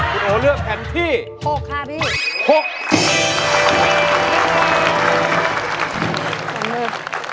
คุณโอเลือกแผ่นที่๖ค่ะพี่